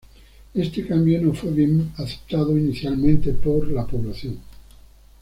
Este cambio no fue bien aceptado inicialmente por la población.